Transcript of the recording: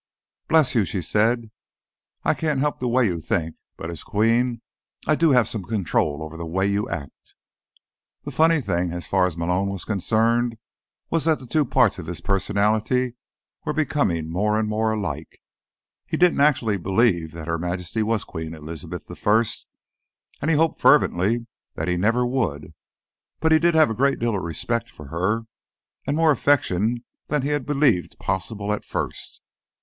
"Bless you," she'd said, "I can't help the way you think, but, as Queen, I do have some control over the way you act." The funny thing, as far as Malone was concerned, was that the two parts of his personality were becoming more and more alike. He didn't actually believe that Her Majesty was Queen Elizabeth I, and he hoped fervently that he never would. But he did have a great deal of respect for her, and more affection than he had believed possible at first.